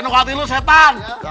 nunggu hati lu setan